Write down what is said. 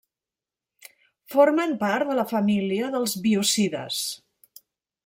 Formen part de la família dels biocides.